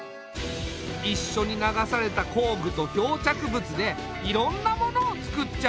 一緒に流された工具と漂着物でいろんなものをつくっちゃう。